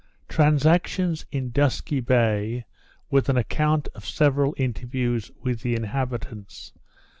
_Transactions in Dusky Bay, with an Account of several Interviews with the Inhabitants.